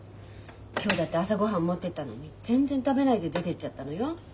今日だって朝ごはん持ってったのに全然食べないで出てっちゃったのよ。